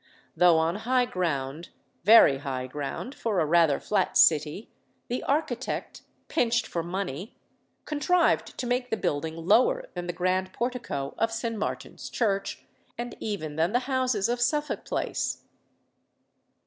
Though on high ground very high ground for a rather flat city the architect, pinched for money, contrived to make the building lower than the grand portico of St. Martin's Church, and even than the houses of Suffolk Place.